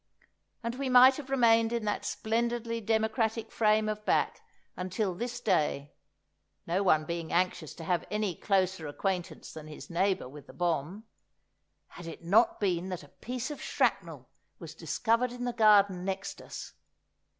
And we might have remained in that splendidly democratic frame of back unto this day (no one being anxious to have any closer acquaintance than his neighbour with the bomb), had it not been that a piece of shrapnel was discovered in the garden next us.